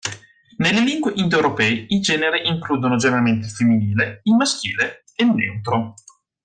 Nelle lingue indo-europee i generi includono generalmente il femminile, il maschile e il neutro.